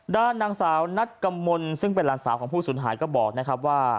ด้านนางสาวนัดกมลซึ่งเป็นหลานสาวของผู้สูญหายก็บอกนะครับว่า